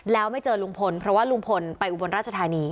แล้วไม่เจอลุงพลเพราะว่าลุงพลไปอุบลราชธานี